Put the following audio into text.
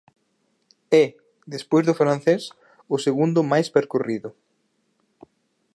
É, despois do Francés, o segundo máis percorrido.